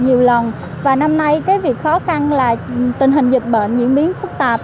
nhiều lần và năm nay cái việc khó khăn là tình hình dịch bệnh diễn biến phức tạp